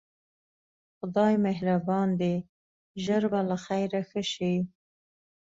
خدای مهربان دی ژر به له خیره ښه شې.